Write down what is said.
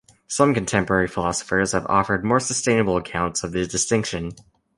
Some contemporary philosophers have offered more sustainable accounts of the distinction.